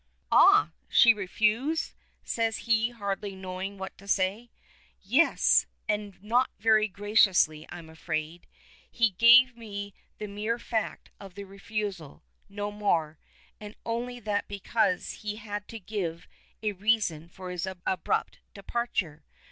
"Ah, she refused?" says he hardly knowing what to say. "Yes; and not very graciously, I'm afraid. He gave me the mere fact of the refusal no more, and only that because he had to give a reason for his abrupt departure.